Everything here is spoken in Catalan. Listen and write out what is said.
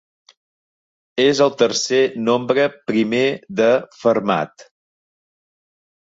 És el tercer nombre primer de Fermat.